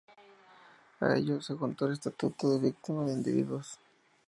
A ello, se juntó el estatuto de víctima de individuos.